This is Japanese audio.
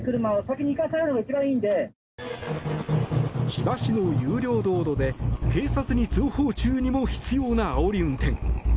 千葉市の有料道路で警察に通報中にも執拗なあおり運転。